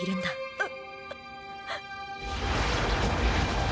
あっ。